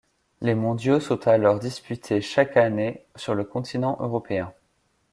Les Mondiaux sont alors disputés chaque année sur le continent européen.